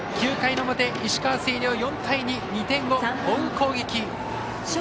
９回の表、石川の星稜、４対２２点を追う攻撃。